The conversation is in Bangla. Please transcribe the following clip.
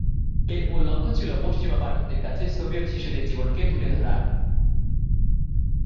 এর মূল লক্ষ্য ছিল পশ্চিমা পাঠকদের কাছে সোভিয়েত শিশুদের জীবনকে তুলে ধরা।